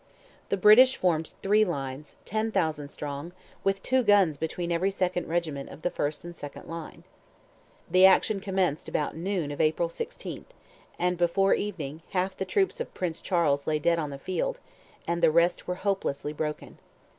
The British formed in three lines, ten thousand strong, with two guns between every second regiment of the first and second line. The action commenced about noon of April 16th, and before evening half the troops of Prince Charles lay dead on the field, and the rest were hopelessly broken.